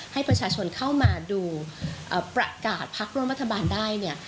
ให้ประชาชนเข้ามาดูประกาศพักร่วมรัฐบาลได้เนี่ย